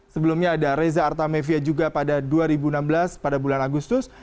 sebelumnya ada reza artamevia juga pada dua ribu enam belas pada bulan agustus